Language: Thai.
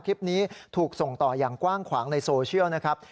คลิปนี้ถูกส่งต่ออย่างกว้างขวางในโซเชียลนะครับ